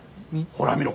ほら見ろ